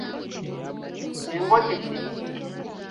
Engote kye ki?